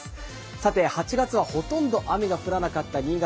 さて８月はほとんど雨が降らなかった新潟。